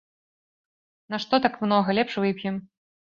Нашто так многа, лепш вып'ем.